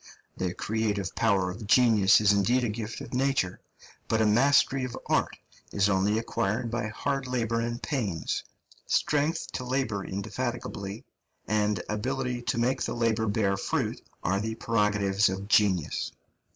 The creative power of genius is indeed a gift of nature, but a mastery of art is only acquired by hard labour and pains; strength to labour indefatigably and ability to make the labour bear fruit are the prerogatives of genius.